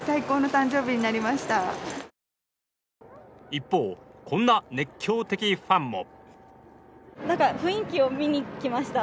一方、こんな熱狂的ファンも。